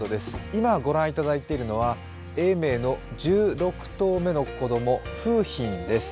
今、ご覧いただいているのは永明の１６頭目の子供、楓浜です。